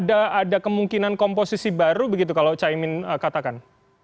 ada kemungkinan komposisi baru begitu kalau caimin katakan